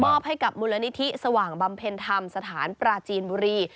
ให้กับมูลนิธิสว่างบำเพ็ญธรรมสถานปราจีนบุรี